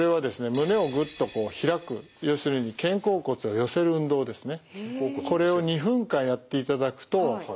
胸をグッとこう開く要するに肩甲骨を寄せる運動ですね。